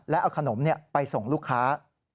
แล้วเอาขนมไปส่งลูกค้า